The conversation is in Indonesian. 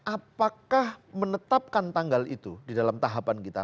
apakah menetapkan tanggal itu di dalam tahapan kita